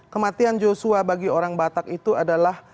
kematian joshua bagi orang batak itu adalah